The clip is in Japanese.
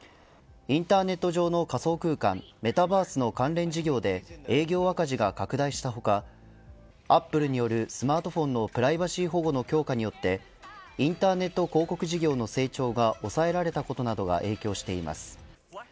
インターネット上の仮想空間メタバースの関連事業で営業赤字が拡大した他Ａｐｐｌｅによるスマートフォンのプライバシー保護の強化によってインターネット広告事業の成長が抑えられたことなどが影響しています。